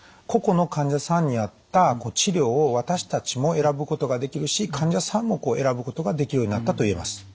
個々の患者さんに合った治療を私たちも選ぶことができるし患者さんも選ぶことができるようになったと言えます。